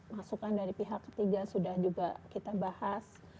masukan dari pihak ketiga sudah juga kita bahas